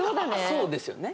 そうですよね。